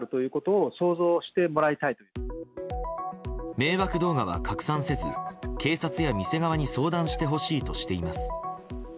迷惑動画は拡散せず警察や店側に相談してほしいとしています。